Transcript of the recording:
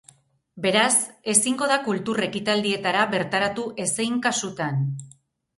Beraz, ezingo da kultur ekitaldietara bertaratu ezein kasutan.